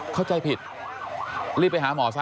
เข้าใจผิดรีบไปหาหมอซะ